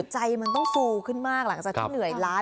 ใจมันต้องฟูขึ้นมากหลังจากที่เหนื่อยล้า